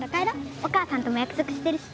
お母さんとも約束してるし。